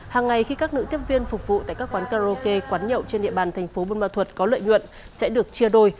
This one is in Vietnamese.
hàng ngày khi các nữ tiếp viên phục vụ tại các quán karaoke quán nhậu trên địa bàn thành phố buôn ma thuật có lợi nhuận sẽ được chia đôi